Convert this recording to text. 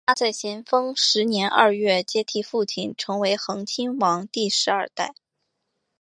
他在咸丰十年二月接替父亲成为恒亲王第十二代。